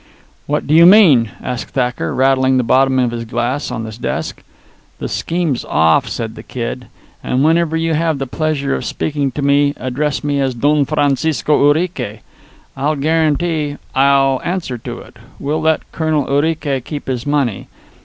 "What do you mean?" asked Thacker, rattling the bottom of his glass on his desk. "The scheme's off," said the Kid. "And whenever you have the pleasure of speaking to me address me as Don Francisco Urique. I'll guarantee I'll answer to it. We'll let Colonel Urique keep his money.